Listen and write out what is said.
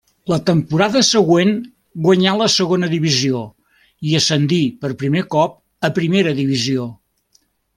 La temporada següent guanyà la segona divisió i ascendí per primer cop a primera divisió.